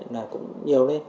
là cũng nhiều lên